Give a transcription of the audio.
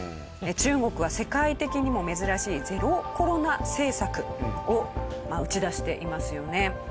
中国は世界的にも珍しいゼロコロナ政策を打ち出していますよね。